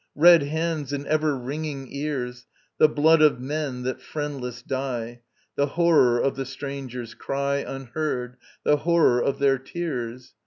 Red hands and ever ringing ears: The blood of men that friendless die, The horror of the strangers' cry Unheard, the horror of their tears.